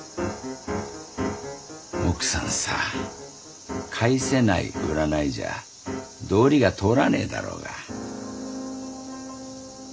奥さんさ「返せない」「売らない」じゃ道理が通らねえだろうが。